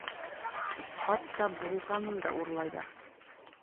Хатта булғанын да урлайҙар.